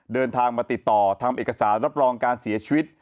เดินทางมาติดต่อทำเอกสารรับรองการเสียชีวิต